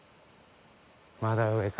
まだ上か。